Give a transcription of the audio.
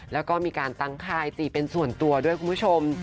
แล้วก็มีการตั้งค่ายจีเป็นส่วนตัวด้วยคุณผู้ชม